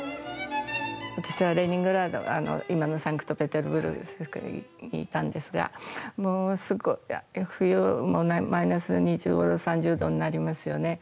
私はレニングラードが、今のサンクトペテルブルクにいたんですが、もうすごい冬はマイナス２５度、３０度になりますよね。